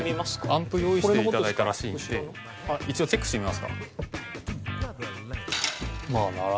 アンプ用意して頂いたらしいんで一応チェックしてみますか。